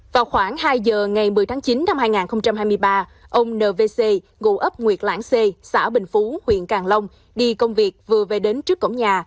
vào khoảng hai giờ ngày một mươi tháng chín năm hai nghìn hai mươi ba ông nvc ngụ ấp nguyệt lãng c xã bình phú huyện càng long đi công việc vừa về đến trước cổng nhà